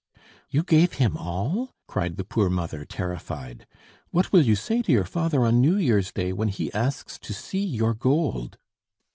"You gave him all!" cried the poor mother, terrified. "What will you say to your father on New Year's Day when he asks to see your gold?"